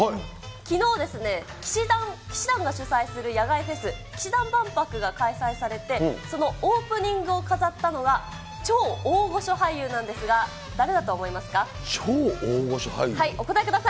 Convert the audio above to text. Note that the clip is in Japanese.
きのう、氣志團が主催する野外フェス、氣志團万博が開催されて、そのオープニングを飾ったのは超大御所俳優なんですが、誰だと思超大御所俳優？